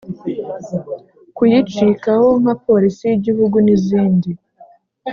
kuyicikaho nka porisi y'Igihugu n'izindi.